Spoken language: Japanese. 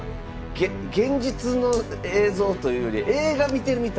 現実の映像というより映画見てるみたい。